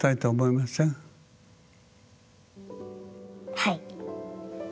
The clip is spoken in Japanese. はい。